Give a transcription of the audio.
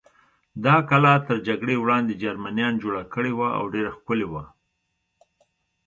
دا کلا تر جګړې وړاندې جرمنیان جوړه کړې وه او ډېره ښکلې وه.